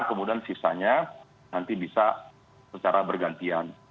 kemudian sisanya nanti bisa secara bergantian